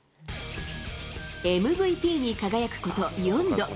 ＭＶＰに輝くこと４度。